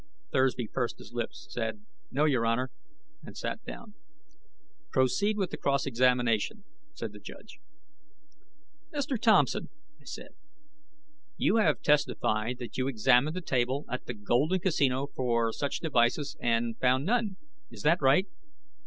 Thursby pursed his lips, said, "No, Your Honor," and sat down. "Proceed with the cross examination," said the judge. "Mr. Thompson," I said, "you have testified that you examined the table at the Golden Casino for such devices and found none. Is that right?"